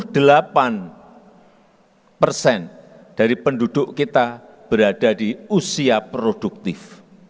dan enam puluh delapan persen dari penduduk kita berada di usia produktif